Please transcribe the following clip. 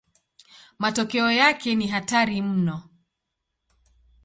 Matokeo yake ni hatari mno.